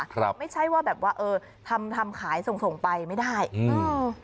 ครับไม่ใช่ว่าแบบว่าเออทำทำขายส่งส่งไปไม่ได้อืม